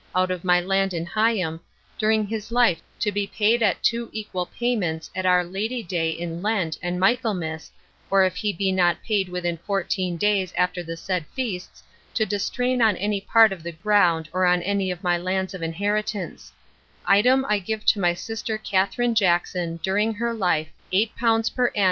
out of my Land in Higham during his life to be paid at two equal payments at our Lady Day in Lent and Michaelmas or if he be not paid within fourteen Days after the said Feasts to distrain on any part of the Ground or on any of my Lands of Inheritance Item I give to my Sister Katherine Jackson during her life eight pounds per Ann.